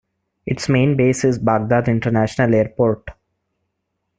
Its main base is Baghdad International Airport.